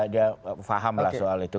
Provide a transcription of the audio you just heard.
dia paham lah soal itu